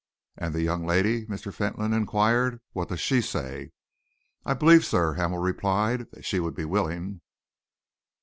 "And the young lady?" Mr. Fentolin enquired. "What does she say?" "I believe, sir," Hamel replied, "that she would be willing."